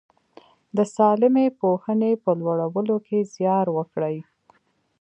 د سالمې پوهنې په لوړولو کې زیار وکړي.